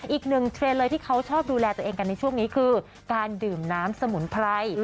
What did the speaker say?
เทรนด์เลยที่เขาชอบดูแลตัวเองกันในช่วงนี้คือการดื่มน้ำสมุนไพร